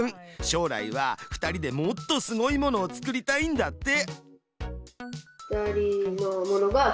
将来は２人でもっとすごいものを作りたいんだって。